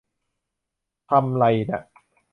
ทำไรน่ะ